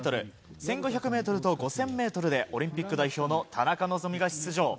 １５００ｍと５０００ｍでオリンピック代表の田中希実が出場。